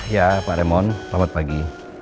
ya pak remon selamat pagi